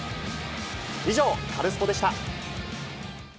以上、カルスポっ！でした。